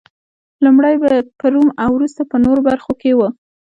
لومړی په روم او وروسته په نورو برخو کې و